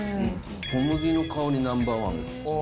小麦の香りナンバーワンです。